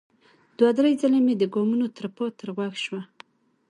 دوه ـ درې ځلې مې د ګامونو ترپا تر غوږ شوه.